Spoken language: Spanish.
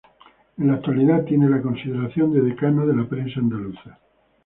En la actualidad tiene la consideración de decano de la prensa andaluza.